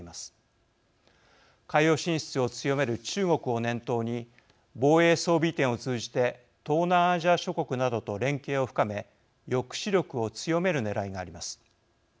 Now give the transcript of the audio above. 海洋進出を強める中国を念頭に防衛装備移転を通じて東南アジア諸国などと連携を深め抑止力を強めるねらいがあります。